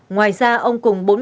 ngoài ra ông cùng